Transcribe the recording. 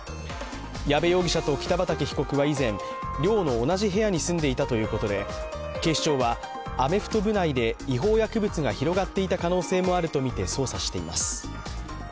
矢部容疑者と北畠被告は以前、寮の同じ部屋に住んでいたということで警視庁は、アメフト部内で違法薬物が広がっていた可能性もあるとみて捜査しています。